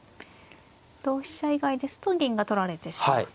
同飛車以外ですと銀が取られてしまうと。